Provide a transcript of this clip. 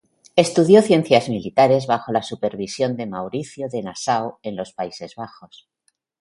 Estudió ciencias militares bajo la supervisión de Mauricio de Nassau en los Países Bajos.